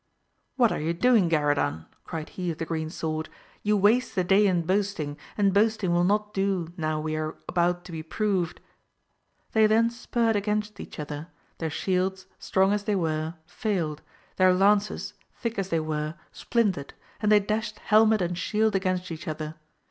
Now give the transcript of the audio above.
What are you doing Garadan ? cried he of the green sword, you waste the day in boasting, and boasting will not do now we are about to be proved. They then spurred against each other, their shields, strong as they were, failed, their lances, thick as they were, splintered, and they dashed helmet and shield against each other.